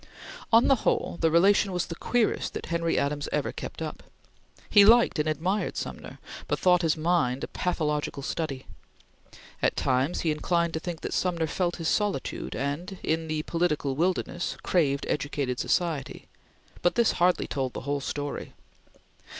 On the whole, the relation was the queerest that Henry Adams ever kept up. He liked and admired Sumner, but thought his mind a pathological study. At times he inclined to think that Sumner felt his solitude, and, in the political wilderness, craved educated society; but this hardly told the whole story.